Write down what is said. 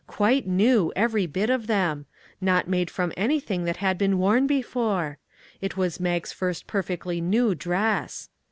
Quite new, every bit of them; not made from anything that had been worn before ! It was Mag's first perfectly new dress.